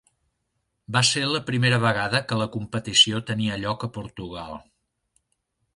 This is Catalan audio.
Va ser la primera vegada que la competició tenia lloc a Portugal.